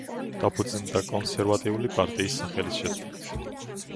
დაფუძნდა კონსერვატიული პარტიის სახელის შეცვლით.